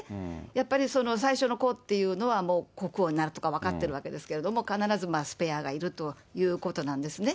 やっぱり最初の子っていうのは、もう国王になるとか分かってるわけですけれども、必ずスペアがいるということなんですね。